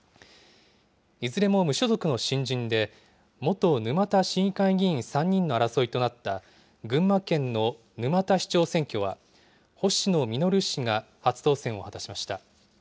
いずれも無所属の新人で、元沼田市議会議員３人の争いとなった群馬県の沼田市長選挙は、星野稔氏が初当選を果たしました。